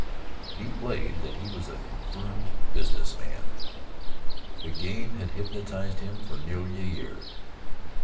He played that he was a confirmed business man. The game had hypnotized him for nearly a year.